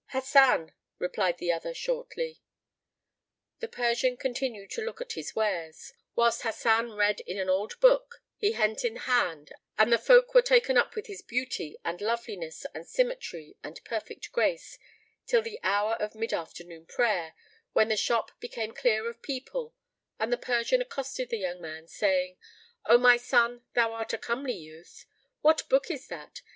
"Hasan," replied the other, shortly.[FN#8] The Persian continued to look at his wares, whilst Hasan read in an old book[FN#9] he hent in hand and the folk were taken up with his beauty and loveliness and symmetry and perfect grace, till the hour of mid afternoon prayer, when the shop became clear of people and the Persian accosted the young man, saying, "O my son, thou art a comely youth! What book is that?